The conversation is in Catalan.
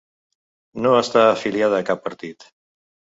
No està afiliada a cap partit.